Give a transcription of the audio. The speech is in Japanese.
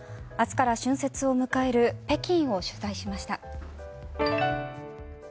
明日から春節を迎える北京を取材しました。